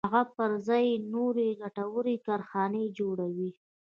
هغه پر ځای یې نورې ګټورې کارخانې جوړوي